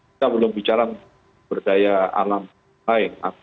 kita belum bicara berdaya alam lain